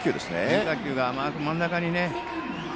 変化球が真ん中にね。